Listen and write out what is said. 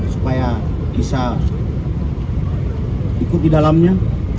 supaya bisa ikut di dalamnya